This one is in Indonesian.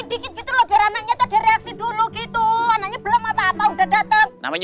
dikit dikit lo biar anaknya tadi reaksi dulu gitu anaknya belum apa apa udah dateng namanya